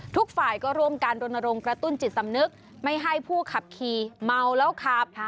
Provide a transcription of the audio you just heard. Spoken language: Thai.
ทุกฝ่ายก็ร่วมกันรณรงค์กระตุ้นจิตสำนึกไม่ให้ผู้ขับขี่เมาแล้วขับ